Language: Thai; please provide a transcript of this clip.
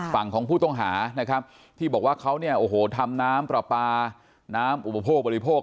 ฝั่งของผู้ต้องหานะครับที่บอกว่าเขาเนี่ยโอ้โหทำน้ำปลาปลาน้ำอุปโภคบริโภค